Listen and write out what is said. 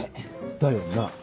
だよな。